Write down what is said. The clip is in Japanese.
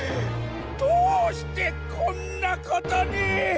どうしてこんなことに。